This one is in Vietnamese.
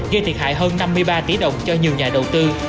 gây thiệt hại hơn năm mươi ba tỷ đồng cho nhiều nhà đầu tư